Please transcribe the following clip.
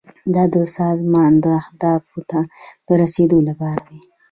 دا د سازمان اهدافو ته د رسیدو لپاره دی.